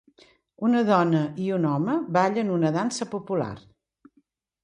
Una dona i un home ballen una dansa popular.